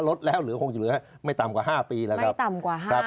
ลดแล้วคงจะเหลือไม่ต่ำกว่า๕ปีนะครับ